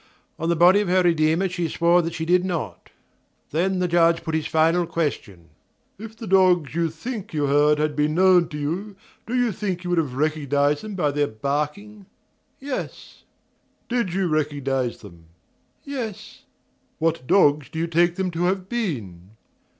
On the body of her Redeemer she swore that she did not. Then the Judge put his final question: "If the dogs you think you heard had been known to you, do you think you would have recognized them by their barking?" "Yes." "Did you recognize them?" "Yes." "What dogs do you take them to have been?"